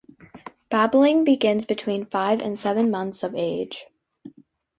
Babbling begins between five and seven months of age.